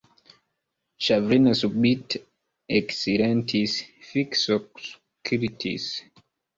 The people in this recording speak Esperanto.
Ŝavrin subite eksilentis, fiksaŭskultis.